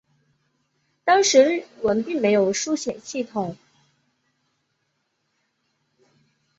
当时日文并没有书写系统。